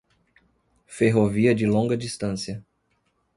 Ferrovia de longa distância